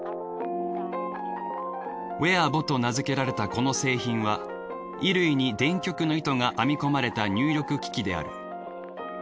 ウェアボと名付けられたこの製品は衣類に電極の糸が編みこまれた入力機器である。